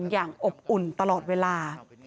อย่างอบอุ่นตลอดเวลา